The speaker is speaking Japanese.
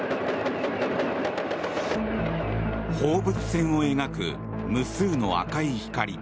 放物線を描く無数の赤い光。